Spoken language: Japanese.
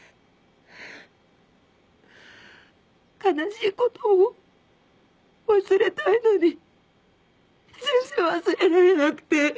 悲しいことを忘れたいのに全然忘れられなくて。